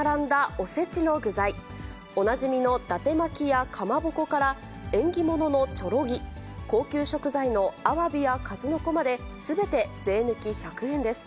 おなじみのだて巻きやかまぼこから、縁起物のちょろぎ、高級食材のあわびやかずのこまで、すべて税抜き１００円です。